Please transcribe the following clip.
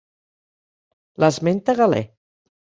L'esmenta Galè.